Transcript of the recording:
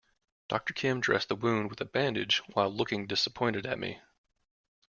Doctor Kim dressed the wound with a bandage while looking disappointed at me.